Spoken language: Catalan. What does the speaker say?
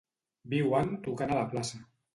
Viuen tocant a la plaça.